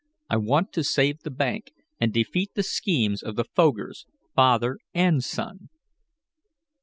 I want to save the bank, and defeat the schemes of the Fogers father and son."